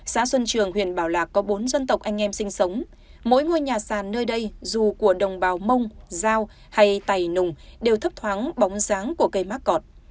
xã xuân trường huyện bảo lạc có bốn dân tộc anh em sinh sống mỗi ngôi nhà sàn nơi đây dù của đồng bào mông dao hay tài nùng đều thấp thoáng bóng sáng của cây mắc cọp